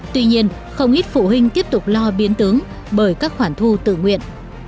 tuy nhiên không ít phụ huynh tiếp tục lo biến tướng bởi các khoản thu tự nguyện